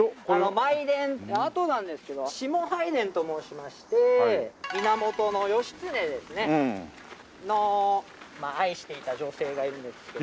舞殿跡なんですけど下拝殿と申しまして源義経ですねのまあ愛していた女性がいるんですけども。